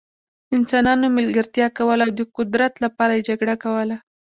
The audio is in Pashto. انسانانو ملګرتیا کوله او د قدرت لپاره یې جګړه کوله.